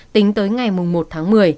tính tới ngày một tháng